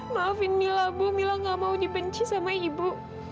maafin mila bu mila gak mau dibenci sama ibu